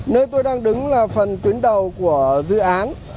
nơi tôi đang đứng là phần tuyến đầu của dự án